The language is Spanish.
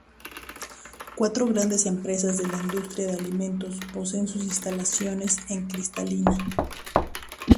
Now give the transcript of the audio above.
Cuatro grandes empresas de la industria de alimentos poseen sus instalaciones en Cristalina.